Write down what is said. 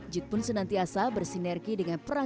jit pun senantiasa bersinergi dengan perang